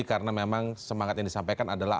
karena memang semangat yang disampaikan adalah